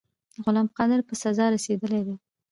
غلام قادر په سزا رسېدلی دی.